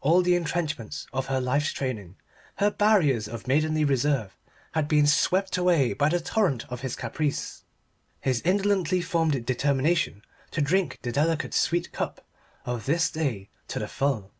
All the entrenchments of her life's training, her barriers of maidenly reserve, had been swept away by the torrent of his caprice, his indolently formed determination to drink the delicate sweet cup of this day to the full.